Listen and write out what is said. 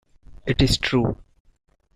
It is true.